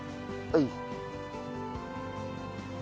はい。